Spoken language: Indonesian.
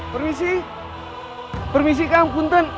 permisi permisi kang punten